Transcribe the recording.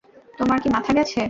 তোমার কি মাথা গেছে?